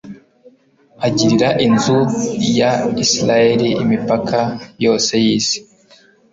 agirira inzu ya israheli. imipaka yose y'isi